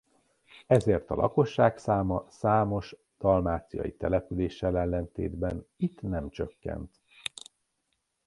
Ezért a lakosság száma számos dalmáciai településsel ellentétben itt nem csökkent.